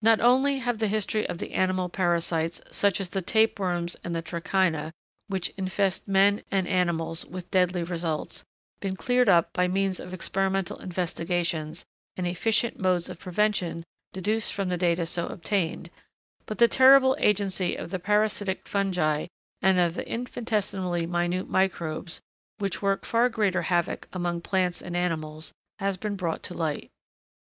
Not only have the history of the animal parasites, such as the tapeworms and the trichina, which infest men and animals, with deadly results, been cleared up by means of experimental investigations, and efficient modes of prevention deduced from the data so obtained; but the terrible agency of the parasitic fungi and of the infinitesimally minute microbes, which work far greater havoc among plants and animals, has been brought to light.